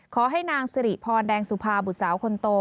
ขอให้นางสิริพรแดงสุภาบุตรสาวคนโต